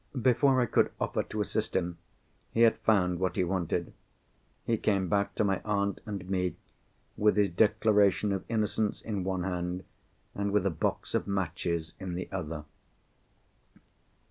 Before I could offer to assist him he had found what he wanted. He came back to my aunt and me, with his declaration of innocence in one hand, and with a box of matches in the other.